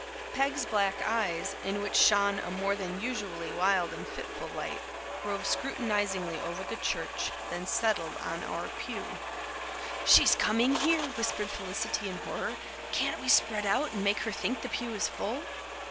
Peg's black eyes, in which shone a more than usually wild and fitful light, roved scrutinizingly over the church, then settled on our pew. "She's coming here," whispered Felicity in horror. "Can't we spread out and make her think the pew is full?"